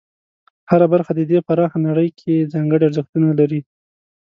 هره برخه د دې پراخه نړۍ کې ځانګړي ارزښتونه لري.